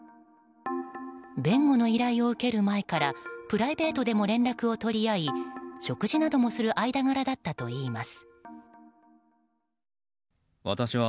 弁護の依頼を受ける前からプライベートでも連絡を取り合い食事などもする間柄だったといいます。